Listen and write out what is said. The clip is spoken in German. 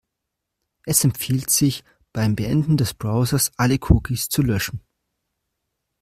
Es empfiehlt sich, beim Beenden des Browsers alle Cookies zu löschen.